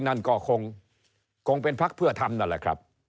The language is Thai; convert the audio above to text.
นั่นก็คงเป็นพักเพื่อทำนั่นแหละครับ